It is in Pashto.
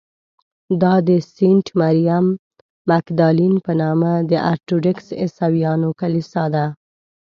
دا د سینټ مریم مګدالین په نامه د ارټوډکس عیسویانو کلیسا ده.